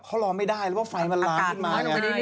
เขารอไม่ได้แล้วว่าไฟมันลามขึ้นมาไง